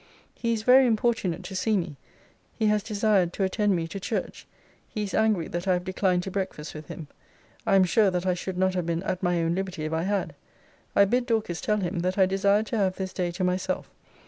He is very importunate to see me. He has desired to attend me to church. He is angry that I have declined to breakfast with him. I am sure that I should not have been at my own liberty if I had. I bid Dorcas tell him, that I desired to have this day to myself.